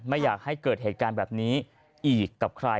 ไม่อยากให้เกิดเหตุการณ์แบบนี้อีกกับใคร